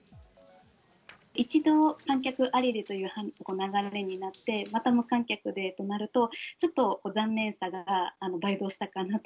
一度、観客ありでという流れになって、また無観客でとなると、ちょっと残念さが倍増したかなと。